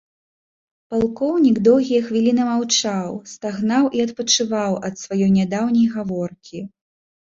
Палкоўнік доўгія хвіліны маўчаў, стагнаў і адпачываў ад сваёй нядаўняй гаворкі.